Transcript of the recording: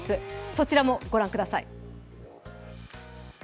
そちらもご覧ください。